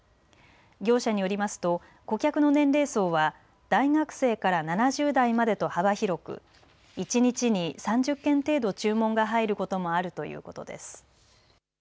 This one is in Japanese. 業者によりますと顧客の年齢層は大学生から７０代までと幅広く１日に３０件程度、注文が入ることもあるということです。